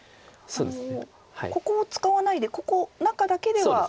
ここを使わないでここ中だけでは眼は。